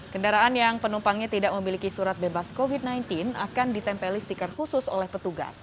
kendaraan yang penumpangnya tidak memiliki surat bebas covid sembilan belas akan ditempeli stiker khusus oleh petugas